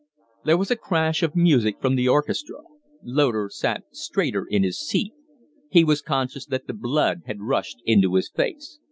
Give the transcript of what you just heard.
There was a crash of music from the orchestra. Loder sat straighter in his seat; he was conscious that the blood had rushed into his face.